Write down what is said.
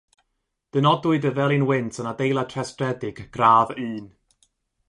Dynodwyd y felin wynt yn adeilad rhestredig Gradd Un.